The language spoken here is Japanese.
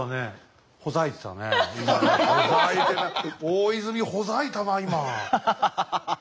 大泉ほざいたなあ